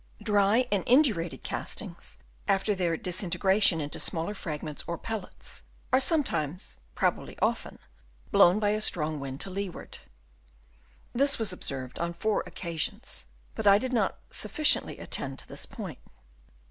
Dry and indurated castings, after their dis integration into small fragments or pellets, are sometimes, probably often, blown by a strong wind to leeward. This was observed on four occasions, but I did not sufficiently attend to this point.